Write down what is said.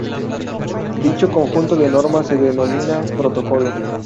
Dicho conjunto de normas se denomina protocolo.